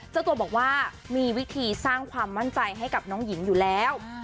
เจ้าตัวบอกว่ามีวิธีสร้างความมั่นใจให้กับน้องหญิงอยู่แล้ว